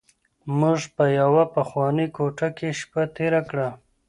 موږ په یوه پخوانۍ کوټه کې شپه تېره کړه.